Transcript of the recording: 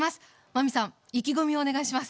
真海さん意気込みをお願いします。